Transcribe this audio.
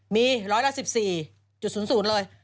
มีร้อยละ๑๔๐๐เลย